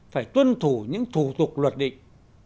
phải tuân thủ những thủ tục luật định